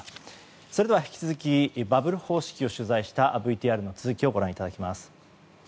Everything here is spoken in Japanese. それでは引き続きバブル方式を取材したＶＴＲの続きをご覧いただきます。